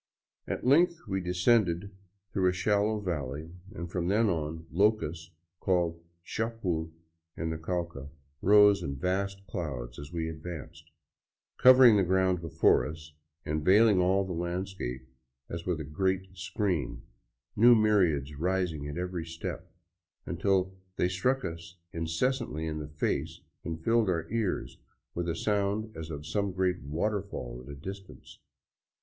At length we descended through a shal low valley, and from then on, locusts called chapul in the Cauca, rose in vast clouds as we advanced, covering the ground before us and veiling all the landscape as with a great screen, new myriads rising at every step, until they struck us incessantly in the face and filled our ears with a sound as of some great waterfall at a distance.